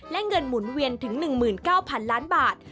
และเงินหมุนเวียนถึง๑๙๐๐๐ล้านบาท